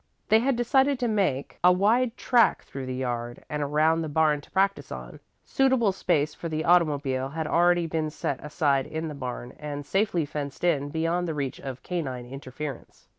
They had decided to make a wide track through the yard and around the barn to practise on. Suitable space for the, automobile had already been set aside in the barn and safely fenced in beyond the reach of canine interference.